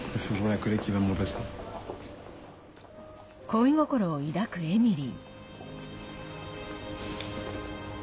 恋心を抱くエミリー。